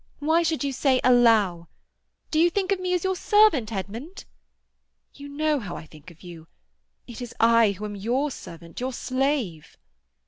Why should you say allow? Do you think of me as your servant, Edmund?" "You know how I think of you. It is I who am your servant, your slave."